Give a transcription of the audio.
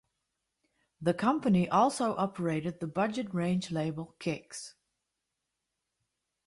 The company also operated the budget range label Kixx.